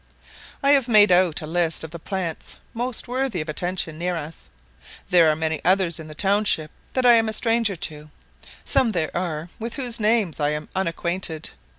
I have made out a list of the plants most worthy of attention near us; there are many others in the township that I am a stranger to; some there are with whose names I am unacquainted.